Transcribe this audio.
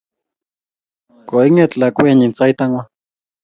Koing'et lakwennyi sait ang'wan